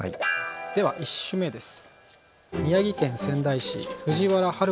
では１首目です。